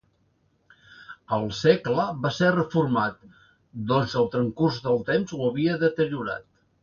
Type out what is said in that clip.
Al segle va ser reformat doncs el transcurs del temps ho havia deteriorat.